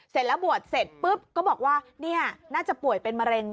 เสร็จแล้วบวชเสร็จปุ๊บก็บอกว่าเนี่ยน่าจะป่วยเป็นมะเร็ง